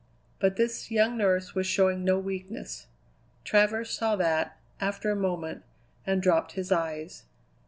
But this young nurse was showing no weakness. Travers saw that, after a moment, and dropped his eyes.